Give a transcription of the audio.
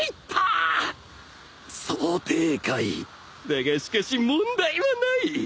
想定外だがしかし問題はない